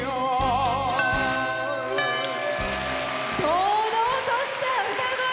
堂々とした歌声。